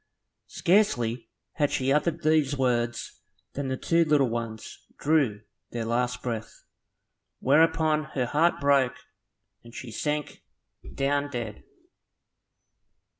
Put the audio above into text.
Scarcely had she uttered these words than the two little ones drew their last breath, whereupon her heart broke, and she sank down dead.